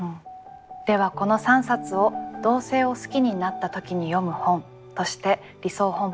ではこの３冊を「同性を好きになった時に読む本」として理想本箱に収蔵いたします。